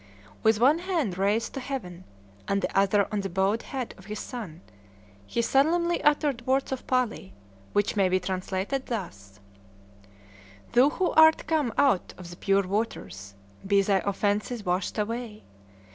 With one hand raised to heaven, and the other on the bowed head of his son, he solemnly uttered words of Pali, which may be translated thus: "Thou who art come out of the pure waters, be thy offences washed away!